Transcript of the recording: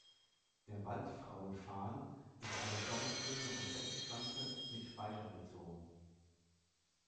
Der Wald-Frauenfarn ist eine sommergrüne Rosettenpflanze mit Speicher-Rhizom.